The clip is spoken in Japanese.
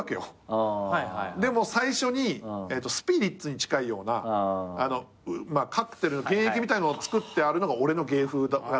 でも最初にスピリッツに近いようなカクテルの原液みたいのをつくってあるのが俺の芸風だったわけ。